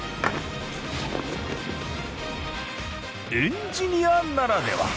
エンジニアならでは！